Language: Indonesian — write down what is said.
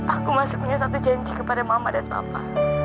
aku masih punya satu janji kepada mama dan papa